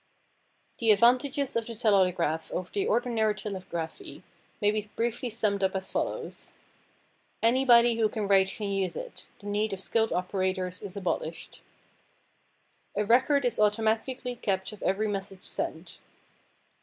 The advantages of the Telautograph over the ordinary telegraphy may be briefly summed up as follows: Anybody who can write can use it; the need of skilled operators is abolished. A record is automatically kept of every message sent.